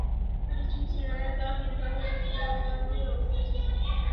کله چې مسلمانان دغه هندارې له کورونو لاندې راوغورځوي.